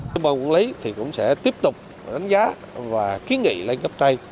bàn quản lý thì cũng sẽ tiếp tục đánh giá và kiến nghị lên cấp tay